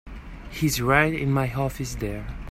He's right in my office there.